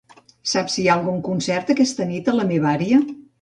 Saps si hi ha algun concert aquesta nit a la meva àrea?